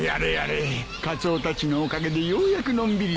カツオたちのおかげでようやくのんびりできる。